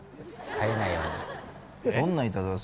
帰れないように。